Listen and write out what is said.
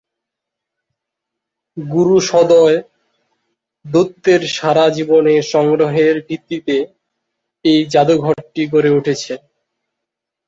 গুরুসদয় দত্তের সারা জীবনের সংগ্রহের ভিত্তিতে এই জাদুঘরটি গড়ে উঠেছে।